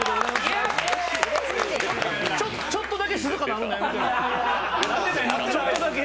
ちょっとだけ静かになるのやめて。